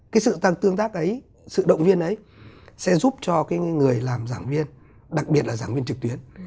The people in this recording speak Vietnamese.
cái sự tăng tương tác ấy sự động viên ấy sẽ giúp cho cái người làm giảng viên đặc biệt là giảng viên trực tuyến